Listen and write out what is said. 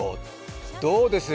どうです？